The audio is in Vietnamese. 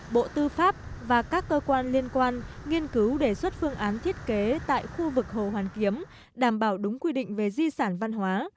bộ tư pháp và các cơ quan liên quan nghiên cứu đề xuất phương án thiết kế tại khu vực hồ hoàn kiếm đảm bảo đúng quy định về di sản văn hóa